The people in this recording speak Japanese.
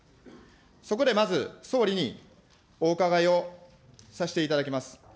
そこでまず、総理にお伺いをさせていただきます。